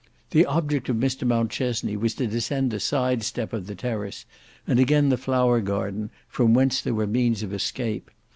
The object of Mr Mountchesney was to descend the side step of the terrace and again the flower garden, from whence there were means of escape.